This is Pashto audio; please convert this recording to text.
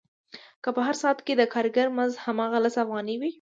که په هر ساعت کې د کارګر مزد هماغه لس افغانۍ وي